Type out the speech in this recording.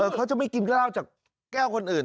เขาจะไม่กินข้าวจากแก้วคนอื่น